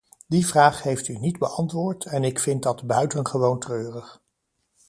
Die vraag heeft u niet beantwoord, en ik vind dat buitengewoon treurig.